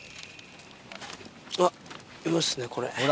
あっいますねこれ。